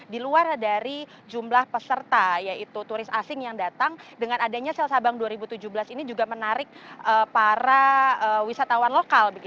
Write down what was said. di luar dari jumlah peserta yaitu turis asing yang datang dengan adanya sel sabang dua ribu tujuh belas ini juga menarik para wisatawan lokal